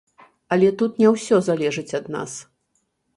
Але тут не ўсё залежыць ад нас.